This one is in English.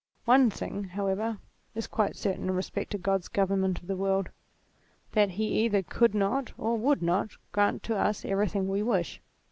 One thing, however, is quite certain in respect to God's govern ment of the world ; that he either could not, or would not, grant to us every thing we wish.